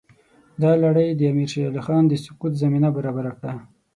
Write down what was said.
دا لړۍ د امیر شېر علي خان د سقوط زمینه برابره کړه.